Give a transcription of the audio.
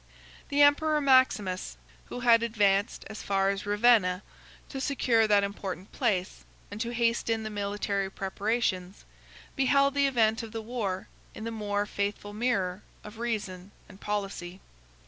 ] The emperor Maximus, who had advanced as far as Ravenna, to secure that important place, and to hasten the military preparations, beheld the event of the war in the more faithful mirror of reason and policy.